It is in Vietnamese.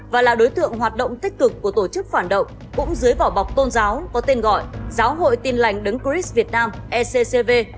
và là đối tượng hoạt động tích cực của tổ chức phản động cũng dưới vỏ bọc tôn giáo có tên gọi giáo hội tin lành đấng chris việt nam eccv